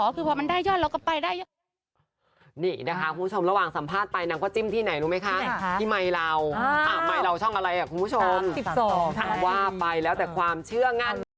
คือพอมันได้ยอดเราก็ไปได้